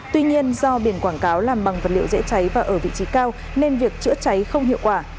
tuy nhiên do biển quảng cáo làm bằng vật liệu dễ cháy và ở vị trí cao nên việc chữa cháy không hiệu quả